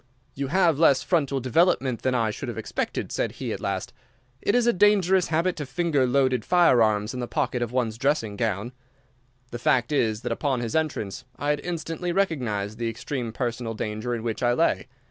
"'You have less frontal development than I should have expected,' said he, at last. 'It is a dangerous habit to finger loaded firearms in the pocket of one's dressing gown.' "The fact is that upon his entrance I had instantly recognised the extreme personal danger in which I lay.